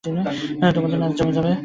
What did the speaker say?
তোমার নাচ জমে যাবে।